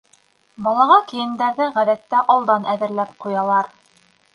Балаға кейемдәрҙе, ғәҙәттә, алдан әҙерләп ҡуялар.